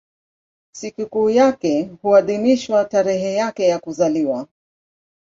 Sikukuu yake huadhimishwa tarehe yake ya kuzaliwa.